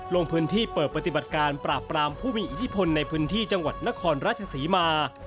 ลงพื้นที่เปิดปฏิบัติการปราบปรามผู้มีอิทธิพลในพื้นที่จังหวัดนครราชศรีมา